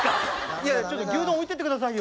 いやちょっと牛丼置いてって下さいよ。